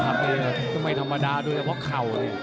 โอ้โหทัพเนี่ยก็ไม่ธรรมดาด้วยเพราะเข่าเนี่ย